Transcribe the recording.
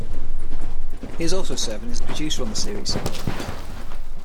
He is also serving as an executive producer on the series.